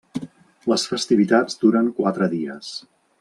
Les festivitats duren quatre dies.